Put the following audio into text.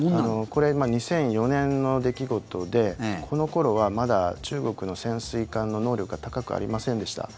これ２００４年の出来事でこの頃はまだ中国の潜水艦の能力が高くありませんでした。